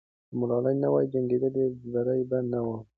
که ملالۍ نه وای جنګېدلې، بری به نه وو.